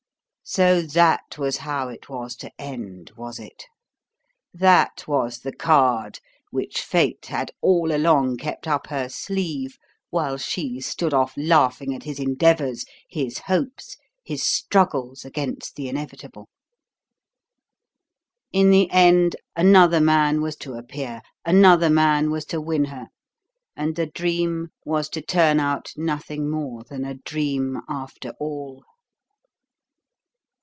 So that was how it was to end, was it? That was the card which Fate had all along kept up her sleeve while she stood off laughing at his endeavours, his hopes, his struggles against the inevitable? In the end, another man was to appear, another man was to win her, and the dream was to turn out nothing more than a dream after all.